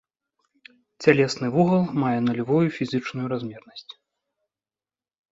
Цялесны вугал мае нулявую фізічную размернасць.